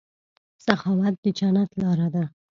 سخاوت د جنت لاره ده.